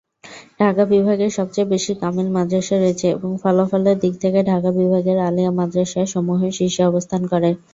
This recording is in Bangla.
ঢাকা বিভাগে সবচেয়ে বেশি কামিল মাদ্রাসা রয়েছে, এবং ফলাফলের দিক থেকে ঢাকা বিভাগের আলিয়া মাদ্রাসা সমূহ শীর্ষে অবস্থান করে।